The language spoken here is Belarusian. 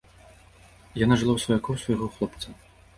Яна жыла ў сваякоў свайго хлопца.